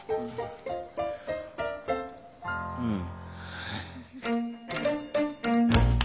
うん。